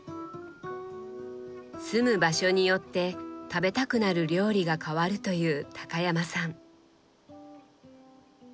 住む場所によって食べたくなる料理が変わるという高山さん。